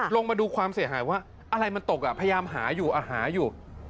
ลงมาดูความเสียหายว่าอะไรมันตกอ่ะพยายามหาอยู่หาอยู่